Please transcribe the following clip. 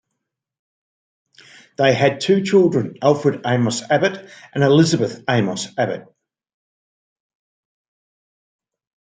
They had two children Alfred Amos Abbott, and Elizabeth Amos Abbott.